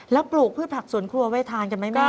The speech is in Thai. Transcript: แล้วปลูกพืชผักสวนครัวไว้ทานกันไหมแม่